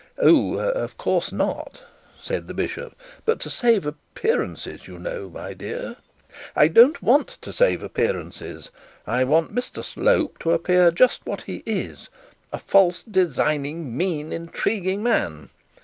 'Oh, of course not!' said the bishop; 'but to save appearances you know, my dear ' 'I don't want to save appearances; I want Mr Slope to appear just what he is a false, designing, mean, intriguing man.